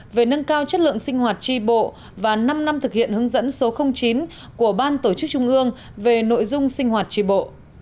về nâng cao chất lượng sinh hoạt tri bộ và năm năm thực hiện hướng dẫn số chín của ban tổ chức trung ương về nội dung sinh hoạt tri bộ